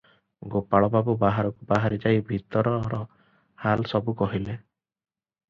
ଗୋପାଳବାବୁ ବାହାରକୁ ବାହାରି ଯାଇ ଭିତରର ହାଲ ସବୁ କହିଲେ ।